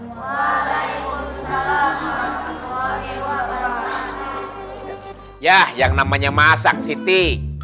waalaikumsalam warahmatullahi wabarakatuh